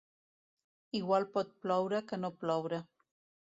Igual pot ploure que no ploure.